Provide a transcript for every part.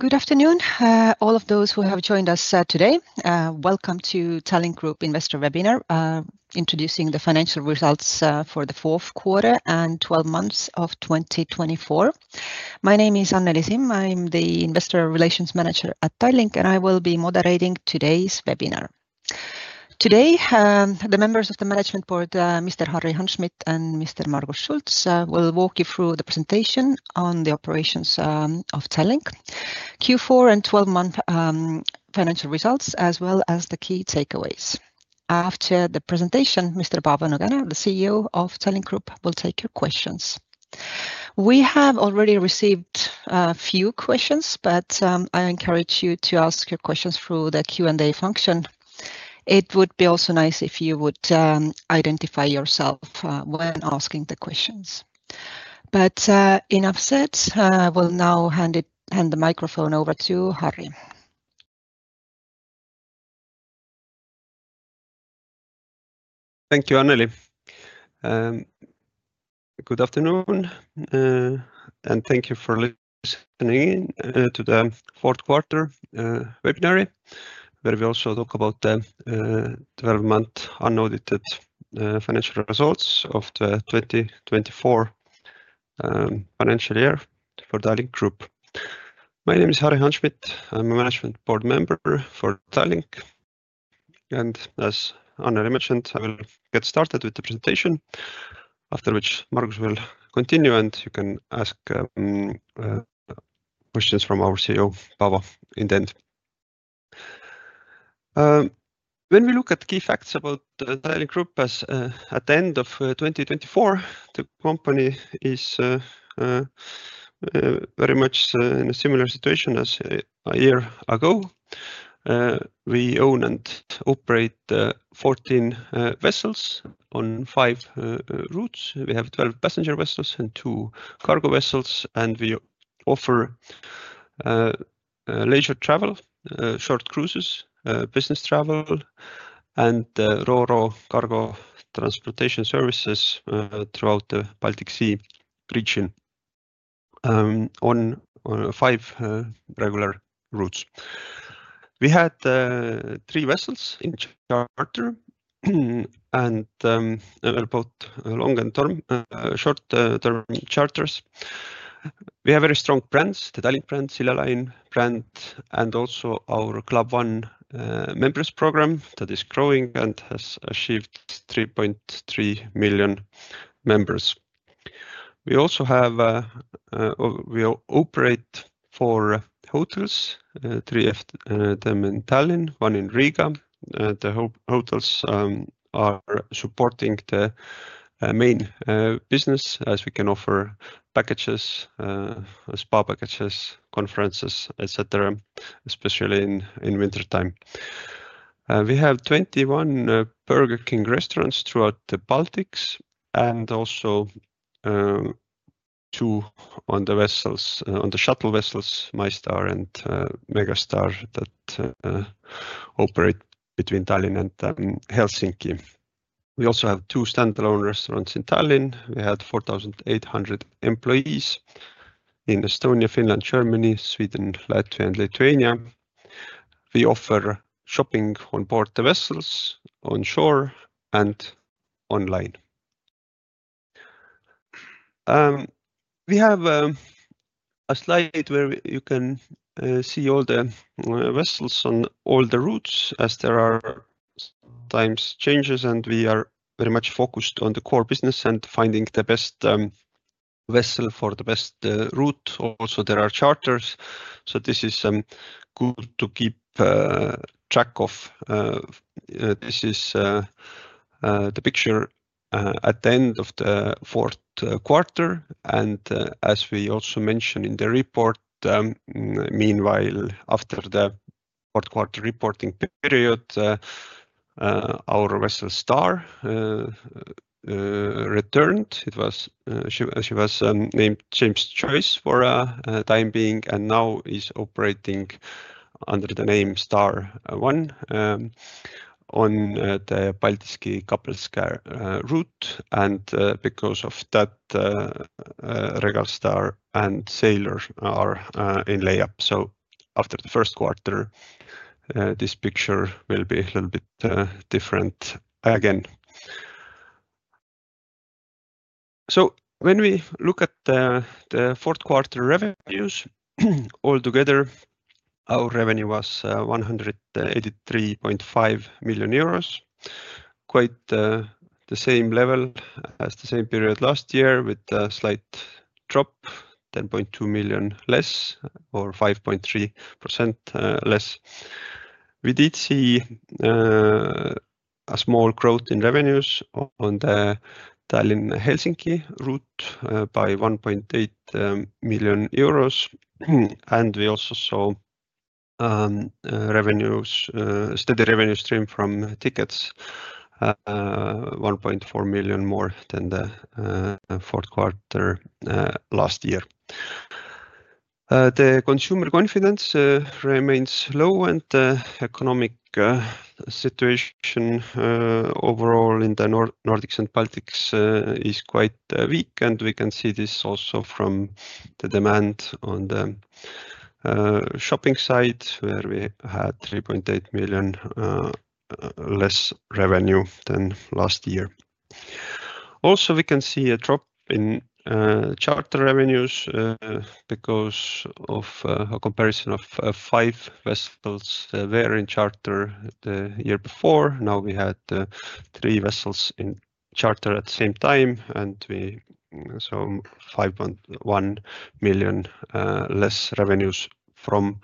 Good afternoon, all of those who have joined us today. Welcome to Tallink Grupp Investor Webinar, Introducing the Financial Results for the Fourth Quarter and 12 Months of 2024. My name is Anneli Simm. I'm the Investor Relations Manager at Tallink, and I will be moderating today's webinar. Today, the members of the Management Board, Mr. Harri Hanschmidt and Mr. Margus Schults, will walk you through the presentation on the operations of Tallink, Q4 and 12-month financial results, as well as the key takeaways. After the presentation, Mr. Paavo Nõgene, the CEO of Tallink Grupp, will take your questions. We have already received a few questions, but I encourage you to ask your questions through the Q&A function. It would be also nice if you would identify yourself when asking the questions. But enough said, I will now hand the microphone over to Harri. Thank you, Anneli. Good afternoon, and thank you for listening to the fourth quarter webinar where we also talk about the 12-month unaudited financial results of the 2024 financial year for Tallink Grupp. My name is Harri Hanschmidt. I'm a management board member for Tallink, and as Anneli mentioned, I will get started with the presentation, after which Margus will continue, and you can ask questions from our CEO, Paavo, in the end. When we look at key facts about Tallink Grupp, as at the end of 2024, the company is very much in a similar situation as a year ago. We own and operate 14 vessels on five routes. We have 12 passenger vessels and two cargo vessels, and we offer leisure travel, short cruises, business travel, and ro-ro cargo transportation services throughout the Baltic Sea region on five regular routes. We had three vessels in charter and about long and short-term charters. We have very strong brands, the Tallink brand, Silja Line brand, and also our Club One members program that is growing and has achieved 3.3 million members. We also operate four hotels, three of them in Tallinn, one in Riga. The hotels are supporting the main business as we can offer packages, spa packages, conferences, etc., especially in wintertime. We have 21 Burger King restaurants throughout the Baltics and also two on the shuttle vessels, MyStar and Megastar, that operate between Tallinn and Helsinki. We also have two standalone restaurants in Tallinn. We had 4,800 employees in Estonia, Finland, Germany, Sweden, Latvia, and Lithuania. We offer shopping on board the vessels, on shore and online. We have a slide where you can see all the vessels on all the routes as there are time changes, and we are very much focused on the core business and finding the best vessel for the best route. Also, there are charters, so this is good to keep track of. This is the picture at the end of the fourth quarter, and as we also mentioned in the report, meanwhile, after the fourth quarter reporting period, our vessel Star returned. She was named James Joyce for a time being and now is operating under the name Star 1 on the Paldiski-Kapellskär route, and because of that, Regal Star and Sailor are in layup. So after the first quarter, this picture will be a little bit different again. When we look at the fourth quarter revenues, altogether our revenue was 183.5 million euros, quite the same level as the same period last year with a slight drop, 10.2 million EUR less or 5.3% less. We did see a small growth in revenues on the Tallinn-Helsinki route by 1.8 million EUR, and we also saw steady revenue stream from tickets, 1.4 million EUR more than the fourth quarter last year. The consumer confidence remains low, and the economic situation overall in the Nordics and Baltics is quite weak, and we can see this also from the demand on the shopping side where we had 3.8 million EUR less revenue than last year. Also, we can see a drop in charter revenues because of a comparison of five vessels were in charter the year before. Now we had three vessels in charter at the same time, and we saw 5.1 million less revenues from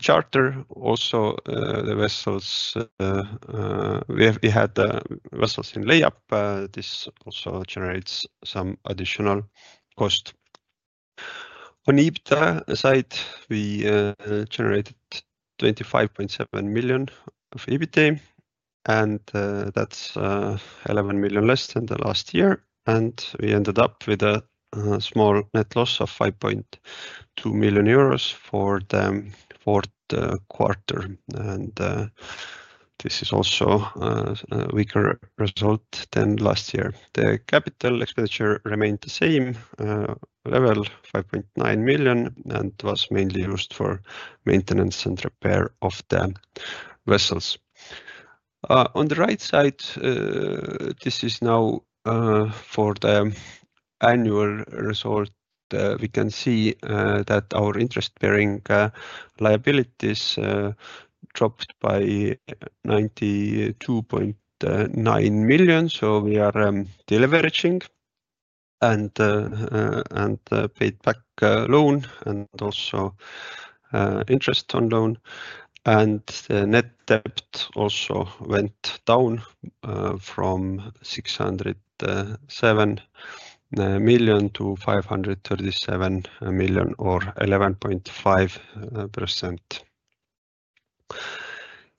charter. Also, we had the vessels in layup. This also generates some additional cost. On EBITDA side, we generated 25.7 million of EBITDA, and that's 11 million less than the last year, and we ended up with a small net loss of 5.2 million euros for the fourth quarter, and this is also a weaker result than last year. The capital expenditure remained the same level, 5.9 million, and was mainly used for maintenance and repair of the vessels. On the right side, this is now for the annual result. We can see that our interest-bearing liabilities dropped by 92.9 million, so we are deleveraging and paid back loan and also interest on loan, and the net debt also went down from 607 million to 537 million or 11.5%.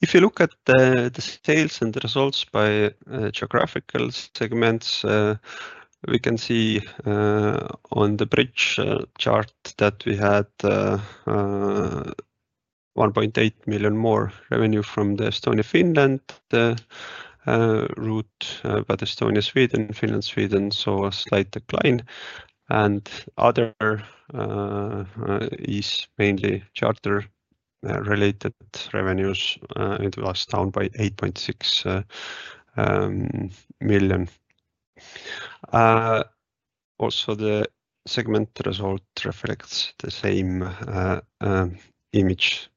If you look at the sales and results by geographical segments, we can see on the bridge chart that we had 1.8 million more revenue from the Estonia-Finland route, but Estonia-Sweden, Finland-Sweden saw a slight decline, and other is mainly charter-related revenues. It was down by 8.6 million. Also, the segment result reflects the same image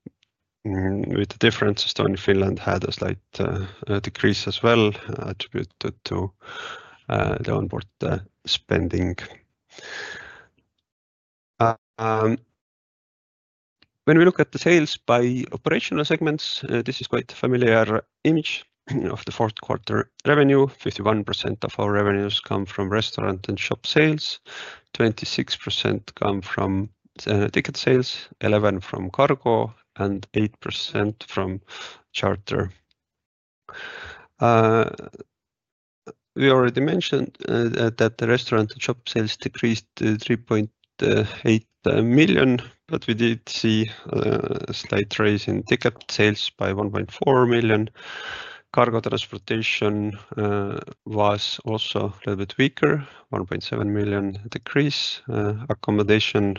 with the difference. Estonia-Finland had a slight decrease as well attributed to the onboard spending. When we look at the sales by operational segments, this is quite a familiar image of the fourth quarter revenue. 51% of our revenues come from restaurant and shop sales, 26% come from ticket sales, 11% from cargo, and 8% from charter. We already mentioned that the restaurant and shop sales decreased to 3.8 million, but we did see a slight raise in ticket sales by 1.4 million. Cargo transportation was also a little bit weaker, 1.7 million decrease. Accommodation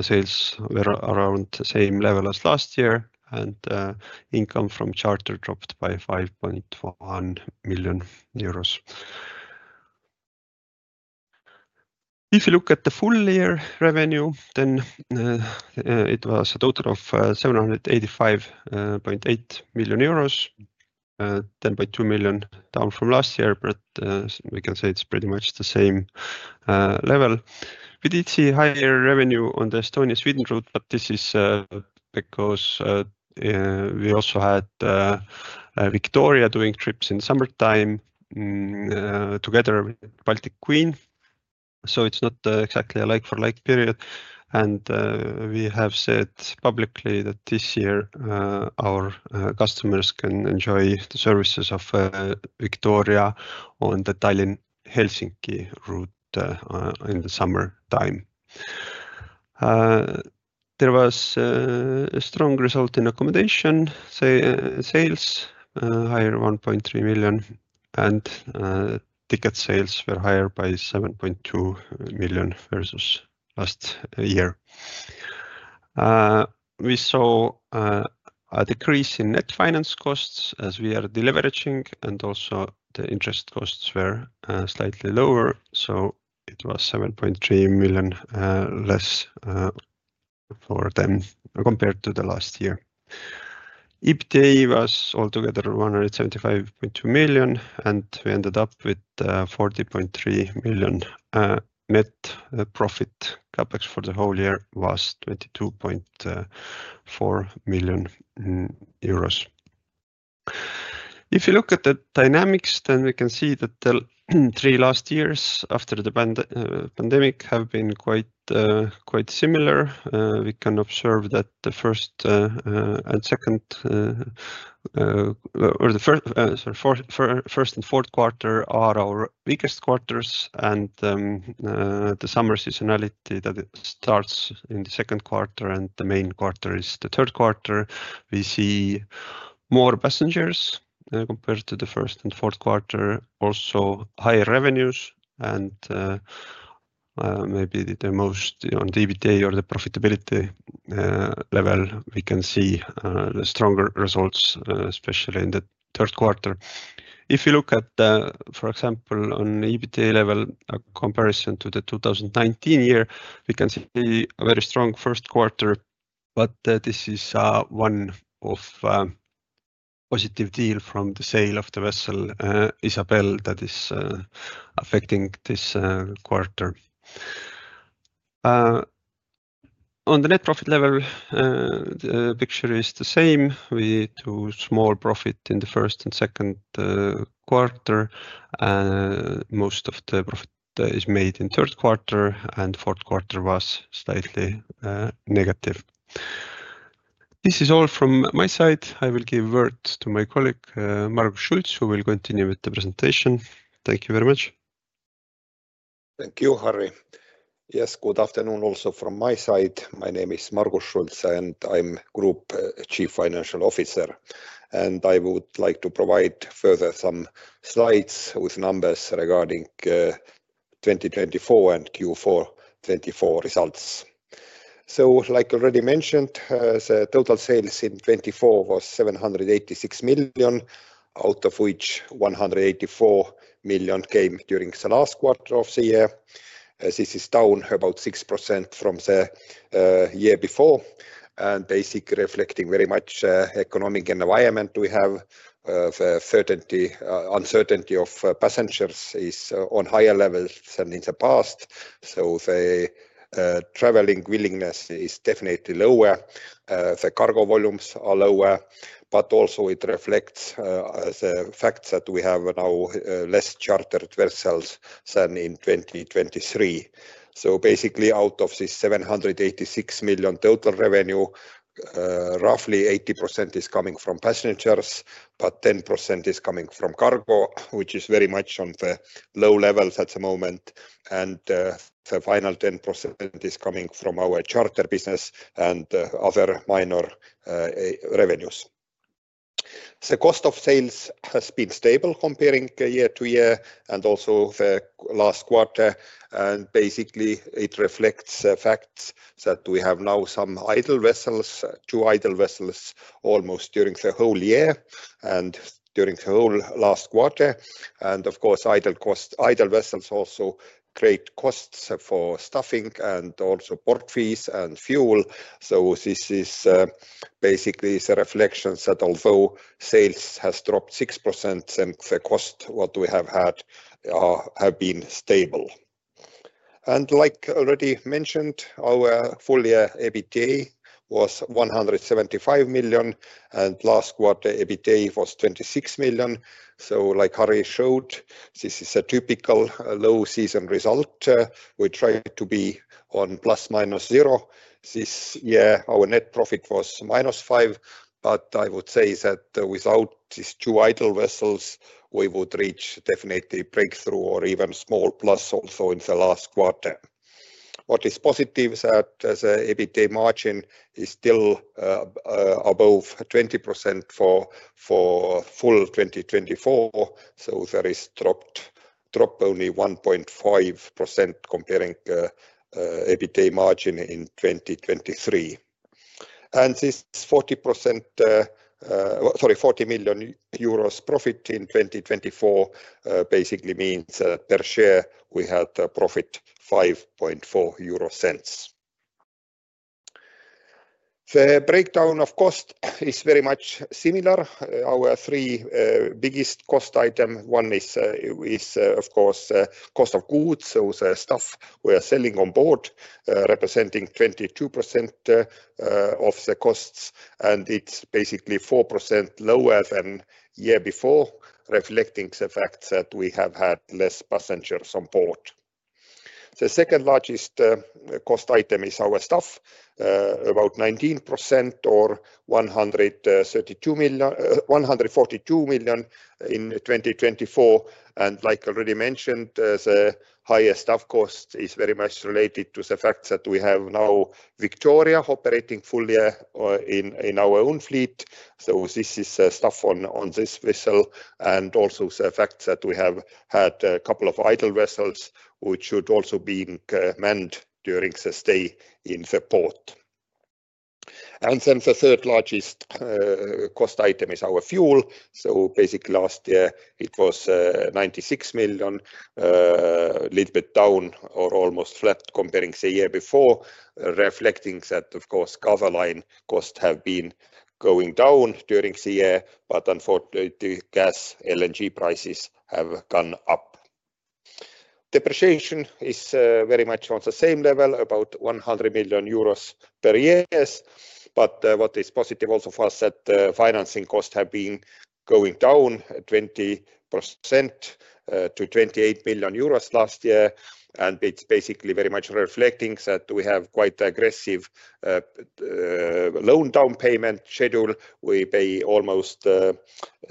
sales were around the same level as last year, and income from charter dropped by 5.1 million EUR. If you look at the full year revenue, then it was a total of 785.8 million euros, 10.2 million EUR down from last year, but we can say it's pretty much the same level. We did see higher revenue on the Estonia-Sweden route, but this is because we also had Victoria doing trips in summertime together with Baltic Queen, so it's not exactly a like-for-like period, and we have said publicly that this year our customers can enjoy the services of Victoria on the Tallinn-Helsinki route in the summertime. There was a strong result in accommodation sales, higher 1.3 million EUR, and ticket sales were higher by 7.2 million EUR versus last year. We saw a decrease in net finance costs as we are deleveraging, and also the interest costs were slightly lower, so it was 7.3 million less for them compared to the last year. EBITDA was altogether 175.2 million, and we ended up with 40.3 million. Net profit CapEx for the whole year was 22.4 million euros. If you look at the dynamics, then we can see that the three last years after the pandemic have been quite similar. We can observe that the first and second, or the first and fourth quarter are our weakest quarters, and the summer seasonality that starts in the second quarter and the main quarter is the third quarter. We see more passengers compared to the first and fourth quarter, also higher revenues, and maybe the most on EBITDA or the profitability level, we can see the stronger results, especially in the third quarter. If you look at, for example, on EBITDA level, a comparison to the 2019 year, we can see a very strong first quarter, but this is one of positive deals from the sale of the vessel Isabelle that is affecting this quarter. On the net profit level, the picture is the same. We had a small profit in the first and second quarter, and most of the profit is made in the third quarter, and the fourth quarter was slightly negative. This is all from my side. I will give word to my colleague Margus Schults, who will continue with the presentation. Thank you very much. Thank you, Harri. Yes, good afternoon also from my side. My name is Margus Schults, and I'm Group Chief Financial Officer, and I would like to provide further some slides with numbers regarding 2024 and Q4 2024 results. So, like already mentioned, the total sales in 2024 was 786 million, out of which 184 million came during the last quarter of the year. This is down about 6% from the year before, and basically reflecting very much the economic environment we have. Uncertainty of passengers is on higher levels than in the past, so the traveling willingness is definitely lower. The cargo volumes are lower, but also it reflects the fact that we have now less chartered vessels than in 2023. So basically, out of this 786 million total revenue, roughly 80% is coming from passengers, but 10% is coming from cargo, which is very much on the low levels at the moment, and the final 10% is coming from our charter business and other minor revenues. The cost of sales has been stable comparing year-to-year and also the last quarter, and basically it reflects the fact that we have now some idle vessels, two idle vessels almost during the whole year and during the whole last quarter. Idle vessels also create costs for staffing and also port fees and fuel. This is basically the reflection that although sales have dropped 6%, the costs what we have had have been stable. Like already mentioned, our full year EBITDA was 175 million, and last quarter EBITDA was 26 million. Like Harri showed, this is a typical low season result. We try to be on plus minus zero. This year, our net profit was minus 5 million EUR, but I would say that without these two idle vessels, we would reach definitely break-even or even small plus also in the last quarter. What is positive is that the EBITDA margin is still above 20% for full 2024, so there is drop only 1.5% comparing EBITDA margin in 2023. And this 40%, sorry, 40 million euros profit in 2024 basically means per share we had a profit 0.054. The breakdown of cost is very much similar. Our three biggest cost items, one is of course the cost of goods, so the stuff we are selling on board representing 22% of the costs, and it's basically 4% lower than the year before, reflecting the fact that we have had less passengers on board. The second largest cost item is our staff, about 19% or 142 million EUR in 2024. And like already mentioned, the higher staff cost is very much related to the fact that we have now Victoria operating fully in our own fleet. This is stuff on this vessel and also the fact that we have had a couple of idle vessels which should also be manned during the stay in the port. The third largest cost item is our fuel. Basically last year it was 96 million, a little bit down or almost flat comparing the year before, reflecting that of course cargo line costs have been going down during the year, but unfortunately gas LNG prices have gone up. Depreciation is very much on the same level, about 100 million euros per year, but what is positive also for us that the financing costs have been going down 20% to 28 million euros last year, and it's basically very much reflecting that we have quite aggressive loan down payment schedule. We pay almost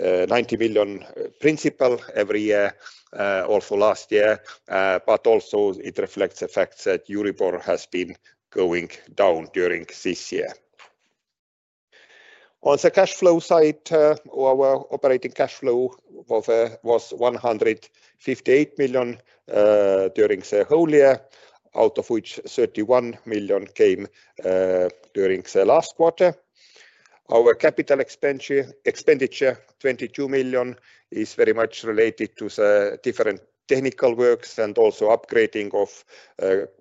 90 million principal every year, also last year, but also it reflects the fact that Euribor has been going down during this year. On the cash flow side, our operating cash flow was 158 million during the whole year, out of which 31 million came during the last quarter. Our capital expenditure, 22 million, is very much related to the different technical works and also upgrading of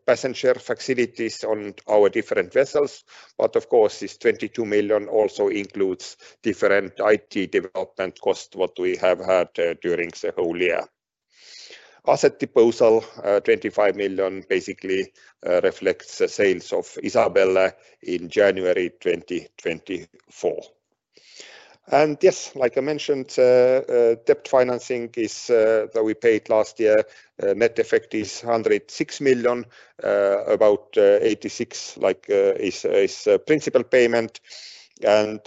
passenger facilities on our different vessels, but of course this 22 million also includes different IT development costs what we have had during the whole year. Asset disposal, 25 million, basically reflects the sales of Isabelle in January 2024. Yes, like I mentioned, debt financing is that we paid last year. Net effect is 106 million, about 86 million like is principal payment, and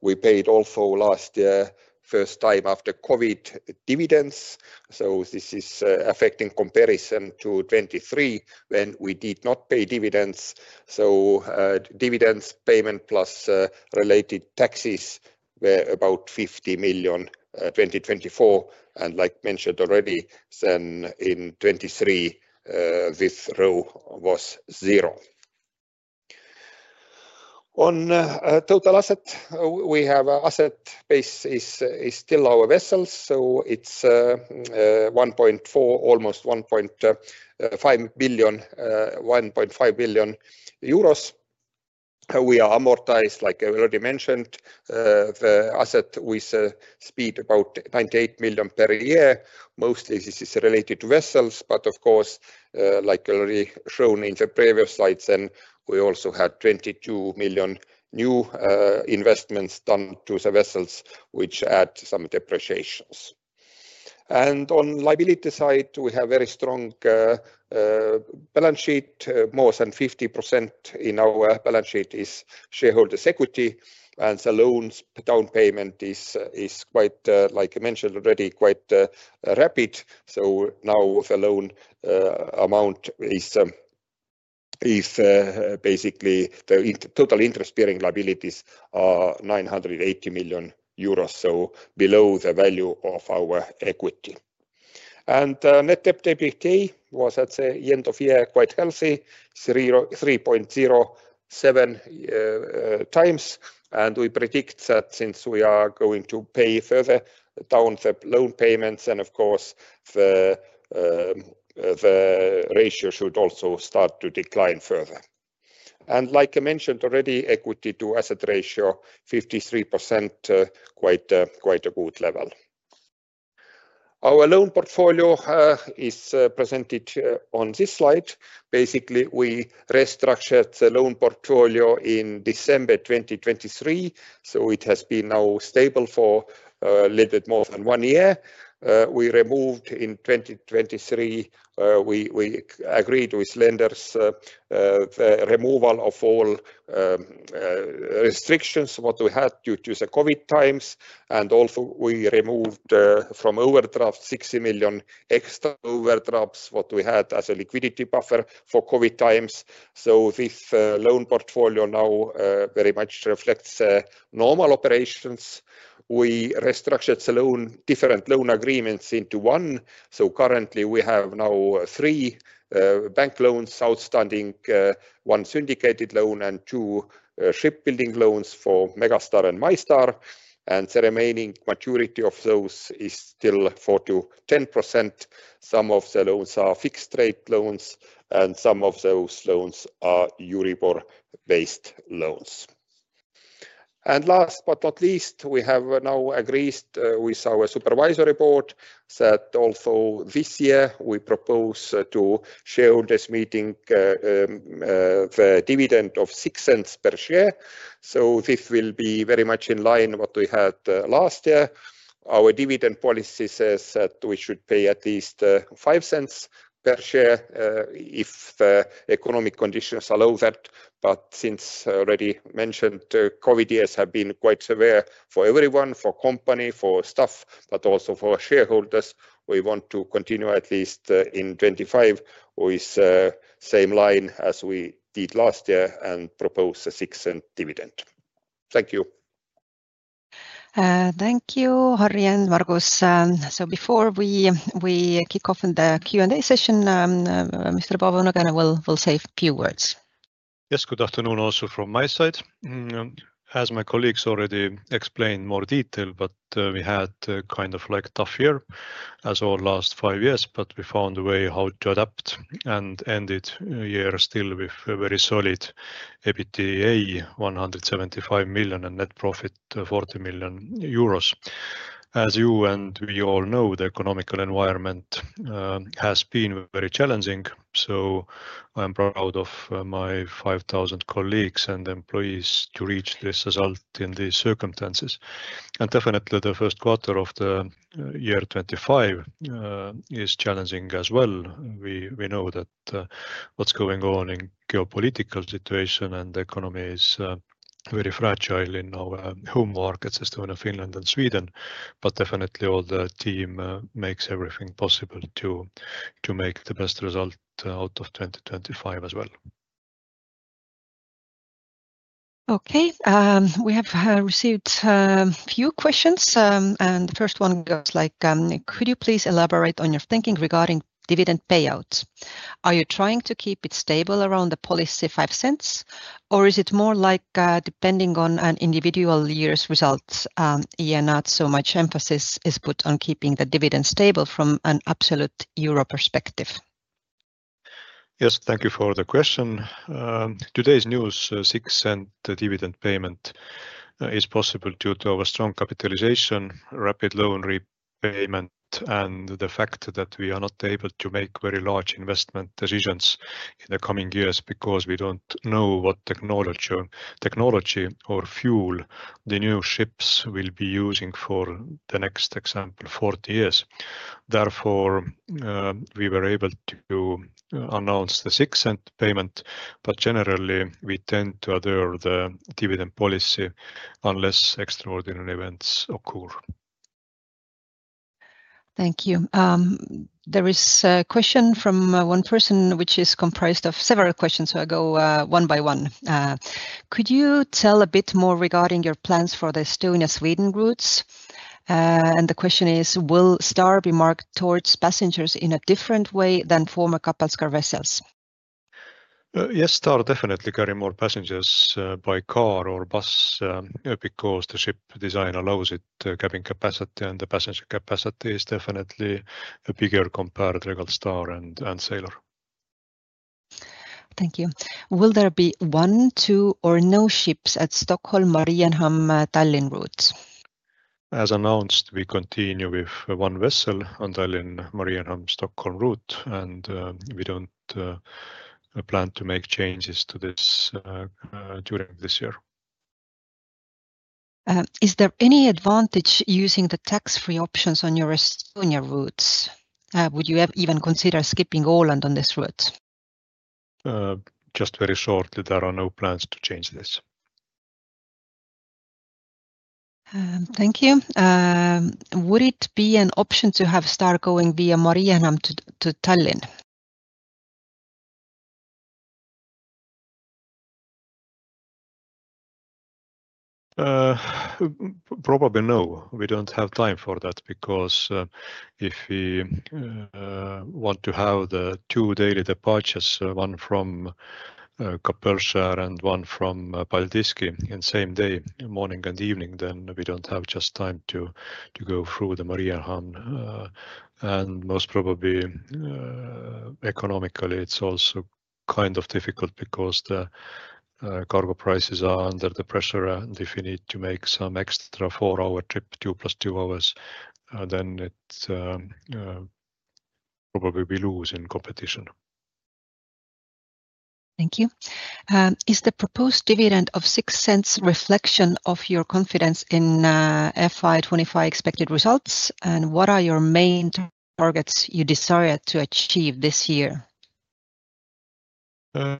we paid also last year first time after COVID dividends, so this is affecting comparison to 2023 when we did not pay dividends, so dividends payment plus related taxes were about 50 million 2024, and like mentioned already, then in 2023 this row was zero. On total asset, we have asset base is still our vessels, so it's 1.4 billion, almost 1.5 billion. We are amortized, like I already mentioned, the asset with a speed about 98 million per year. Mostly this is related to vessels, but of course, like already shown in the previous slides, then we also had 22 million new investments done to the vessels, which add some depreciations, and on liability side, we have very strong balance sheet. More than 50% in our balance sheet is shareholders' equity, and the loans down payment is quite, like I mentioned already, quite rapid, so now the loan amount is basically the total interest-bearing liabilities are 980 million euros, so below the value of our equity, and net debt EBITDA was at the end of year quite healthy, 3.07 times, and we predict that since we are going to pay further down the loan payments, and of course the ratio should also start to decline further, and like I mentioned already, equity to asset ratio 53%, quite a good level. Our loan portfolio is presented on this slide. Basically, we restructured the loan portfolio in December 2023, so it has been now stable for a little bit more than one year. We removed in 2023. We agreed with lenders' removal of all restrictions what we had due to the COVID times, and also we removed from overdraft 60 million extra overdrafts what we had as a liquidity buffer for COVID times. So this loan portfolio now very much reflects normal operations. We restructured the loan, different loan agreements into one, so currently we have now three bank loans outstanding, one syndicated loan and two shipbuilding loans for Megastar and MyStar, and the remaining maturity of those is still 4%-10%. Some of the loans are fixed rate loans, and some of those loans are Euribor-based loans. And last but not least, we have now agreed with our Supervisory Board that also this year we propose to shareholders' meeting the dividend of 0.06 per share. So this will be very much in line with what we had last year. Our dividend policy says that we should pay at least 0.05 per share if the economic conditions are lower, but since already mentioned, COVID years have been quite severe for everyone, for company, for staff, but also for shareholders. We want to continue at least in 2025 with the same line as we did last year and propose a 0.06 cent dividend. Thank you. Thank you, Harri and Margus. So before we kick off the Q&A session, Mr. Paavo Nõgene, we'll say a few words. Yes, good afternoon also from my side. As my colleagues already explained in more detail, we had a kind of like tough year as our last five years, but we found a way how to adapt and ended the year still with a very solid EBITDA, 175 million and net profit 40 million euros. As you and we all know, the economic environment has been very challenging, so I'm proud of my 5,000 colleagues and employees to reach this result in these circumstances. Definitely the first quarter of 2025 is challenging as well. We know that what's going on in the geopolitical situation and the economy is very fragile in our home markets, Estonia, Finland, and Sweden, but definitely all the team makes everything possible to make the best result out of 2025 as well. Okay, we have received a few questions, and the first one goes like, "Could you please elaborate on your thinking regarding dividend payouts? Are you trying to keep it stable around the policy 0.05, or is it more like depending on an individual year's results?" Yeah, not so much emphasis is put on keeping the dividend stable from an absolute euro perspective. Yes, thank you for the question. Today's news, 0.06 dividend payment is possible due to our strong capitalization, rapid loan repayment, and the fact that we are not able to make very large investment decisions in the coming years because we don't know what technology or fuel the new ships will be using for the next, for example, 40 years. Therefore, we were able to announce the 0.06 payment, but generally we tend to adhere to the dividend policy unless extraordinary events occur. Thank you. There is a question from one person, which is comprised of several questions, so I go one by one. Could you tell a bit more regarding your plans for the Estonia-Sweden routes? And the question is, will Star be marketed towards passengers in a different way than former Kapellskär vessels? Yes, Star definitely carry more passengers by car or bus because the ship design allows it, cabin capacity, and the passenger capacity is definitely bigger compared to regular Star and Sailor. Thank you. Will there be one, two, or no ships at Stockholm, Mariehamn, Tallinn routes? As announced, we continue with one vessel on Tallinn, Mariehamn, Stockholm route, and we don't plan to make changes to this during this year. Is there any advantage using the tax-free options on your Estonia routes? Would you even consider skipping Åland on this route? Just very shortly, there are no plans to change this. Thank you. Would it be an option to have Star going via Mariehamn to Tallinn? Probably no, we don't have time for that because if we want to have the two daily departures, one from Kapellskär and one from Paldiski, in the same day, morning and evening, then we don't have just time to go through the Mariehamn, and most probably economically, it's also kind of difficult because the cargo prices are under the pressure, and if we need to make some extra four-hour trip, two plus two hours, then it probably will be losing competition. Thank you. Is the proposed dividend of 0.06 a reflection of your confidence in FY25 expected results, and what are your main targets you desire to achieve this year? The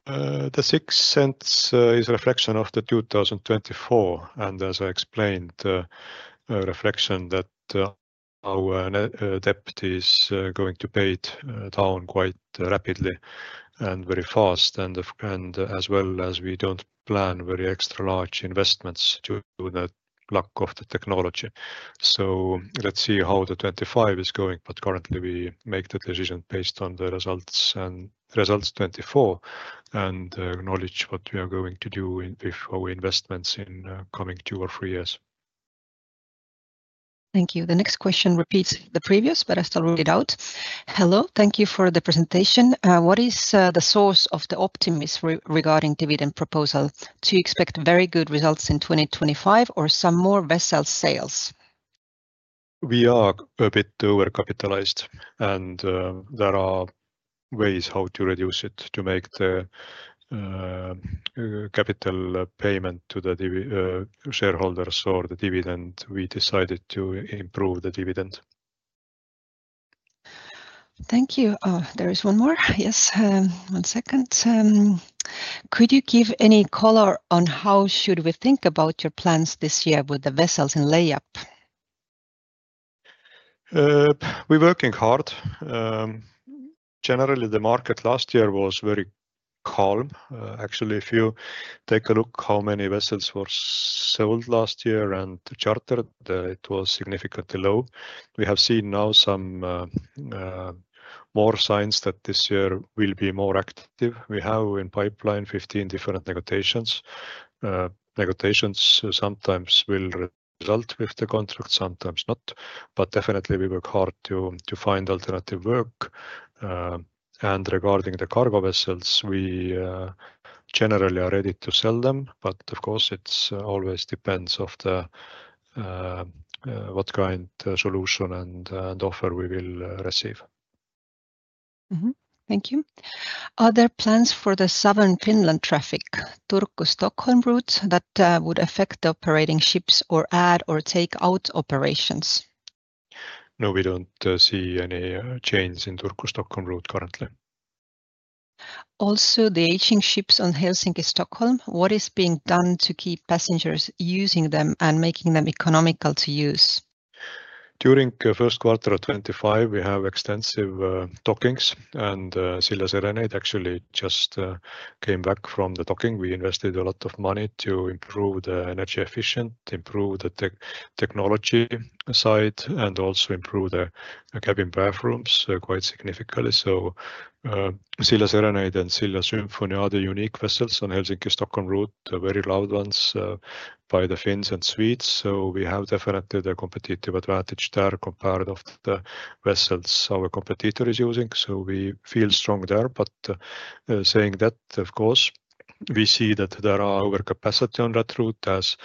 0.06 is a reflection of the 2024, and as I explained, a reflection that our debt is going to fade down quite rapidly and very fast, and as well as we don't plan very extra large investments due to the lack of the technology. So let's see how the 2025 is going, but currently we make the decision based on the results and results 2024 and acknowledge what we are going to do with our investments in coming two or three years. Thank you. The next question repeats the previous, but I still read it out. Hello, thank you for the presentation. What is the source of the optimism regarding dividend proposal? Do you expect very good results in 2025 or some more vessel sales? We are a bit overcapitalized, and there are ways how to reduce it to make the capital payment to the shareholders or the dividend. We decided to improve the dividend. Thank you. There is one more. Yes, one second. Could you give any color on how should we think about your plans this year with the vessels in layup? We're working hard. Generally, the market last year was very calm. Actually, if you take a look at how many vessels were sold last year and the charter, it was significantly low. We have seen now some more signs that this year will be more active. We have in pipeline 15 different negotiations. Negotiations sometimes will result with the contract, sometimes not, but definitely we work hard to find alternative work. Regarding the cargo vessels, we generally are ready to sell them, but of course it always depends on what kind of solution and offer we will receive. Thank you. Are there plans for the southern Finland traffic, Turku-Stockholm route, that would affect the operating ships or add or take out operations? No, we don't see any change in Turku-Stockholm route currently. Also, the aging ships on Helsinki-Stockholm, what is being done to keep passengers using them and making them economical to use? During the first quarter of 2025, we have extensive dockings, and Silja Serenade actually just came back from the docking. We invested a lot of money to improve the energy efficiency, improve the technology side, and also improve the cabin bathrooms quite significantly. Silja Serenade and Silja Symphony are the unique vessels on Helsinki-Stockholm route, the very loved ones by the Finns and Swedes. So we have definitely the competitive advantage there compared to the vessels our competitor is using. So we feel strong there, but saying that, of course, we see that there are overcapacity on that route as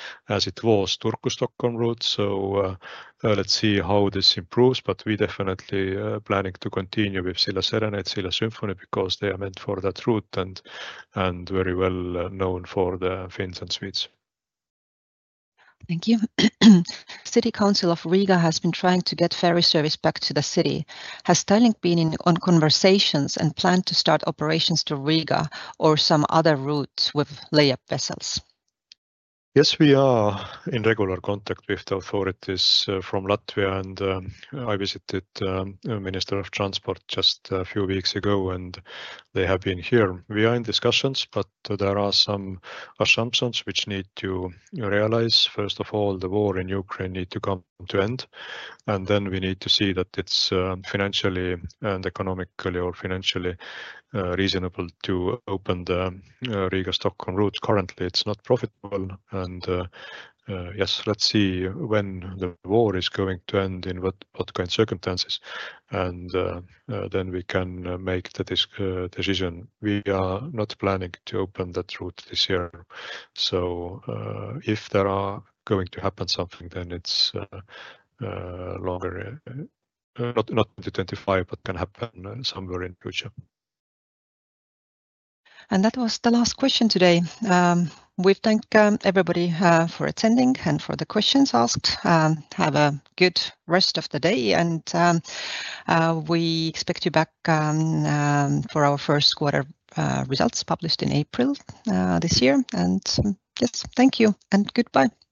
it was Turku-Stockholm route. So let's see how this improves, but we definitely are planning to continue with Silja Serenade, Silja Symphony, because they are meant for that route and very well known for the Finns and Swedes. Thank you. City Council of Riga has been trying to get ferry service back to the city. Has Tallink been in conversations and planned to start operations to Riga or some other route with layup vessels? Yes, we are in regular contact with the authorities from Latvia, and I visited the Minister of Transport just a few weeks ago, and they have been here. We are in discussions, but there are some assumptions which need to realize. First of all, the war in Ukraine needs to come to an end, and then we need to see that it's financially and economically or financially reasonable to open the Riga-Stockholm route. Currently, it's not profitable, and yes, let's see when the war is going to end, in what kind of circumstances, and then we can make the decision. We are not planning to open that route this year, so if there is going to happen something, then it's longer, not in 2025, but can happen somewhere in the future, And that was the last question today. We thank everybody for attending and for the questions asked. Have a good rest of the day, and we expect you back for our first quarter results published in April this year, and yes, thank you and goodbye.